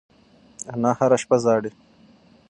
انا هره شپه ژاړي.